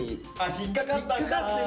引っ掛かったんだっていう。